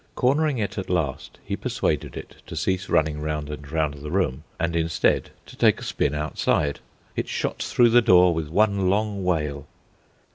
Cornering it at last, he persuaded it to cease running round and round the room, and instead to take a spin outside. It shot through the door with one long wail.